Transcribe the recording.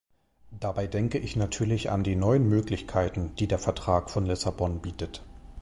Dabei denke ich natürlich an die neuen Möglichkeiten, die der Vertrag von Lissabon bietet.